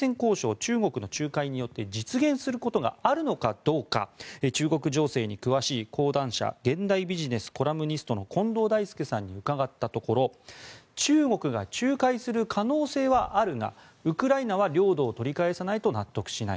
中国の仲介によって実現することがあるのかどうか中国情勢に詳しい講談社現代ビジネスコラムニストの近藤大介さんに伺ったところ中国が仲介する可能性はあるがウクライナは領土を取り返さないと納得しない